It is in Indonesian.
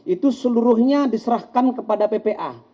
itu seluruhnya diserahkan kepada ppa